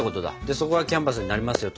そこがキャンバスになりますよと。